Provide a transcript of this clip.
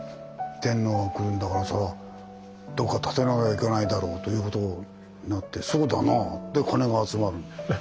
天皇が来るんだからそれはどっか建てなきゃいけないだろうということになってそうだなあで金が集まる。